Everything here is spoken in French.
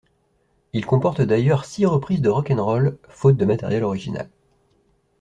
Il comporte d'ailleurs six reprises de rock 'n' roll, faute de matériel original.